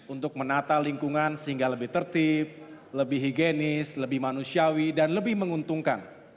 untuk menata lingkungan sehingga lebih tertib lebih higienis lebih manusiawi dan lebih menguntungkan